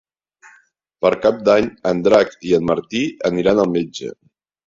Per Cap d'Any en Drac i en Martí aniran al metge.